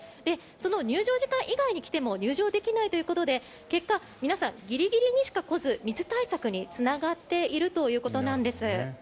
その入場時間以外に来ても入場できないということで結果、皆さんギリギリにしか来ず密対策につながっているということです。